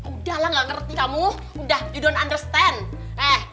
udah lah gak ngerti kamu udah you don't understand eh